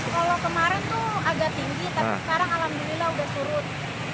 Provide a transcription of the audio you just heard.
kalau kemarin tuh agak tinggi tapi sekarang alhamdulillah udah surut